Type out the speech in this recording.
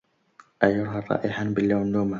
أيها الرائحان باللوم لوما